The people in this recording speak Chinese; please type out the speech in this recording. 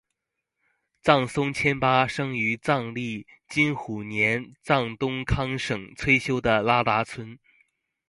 杜松虔巴生于藏历金虎年藏东康省崔休的拉达村。